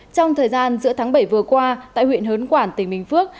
trong thời gian giữa tháng bảy vừa qua tại huyện hớn quản tỉnh bình phước